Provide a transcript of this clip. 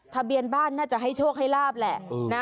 ทะเบียนบ้านน่าจะให้โชคให้ลาบแหละ